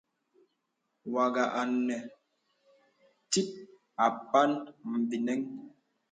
Wàghà anə tìt àpàn mvinəŋ.